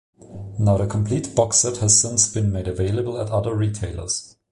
Now the complete boxset has since been made available at other retailers.